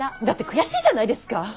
だって悔しいじゃないですか！